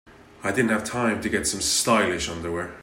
I didn't have time to get some stylish underwear.